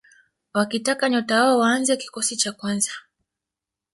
wakitaka nyota wao waanze kikosi cha kwanza